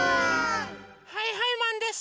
はいはいマンです！